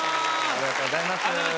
ありがとうございます。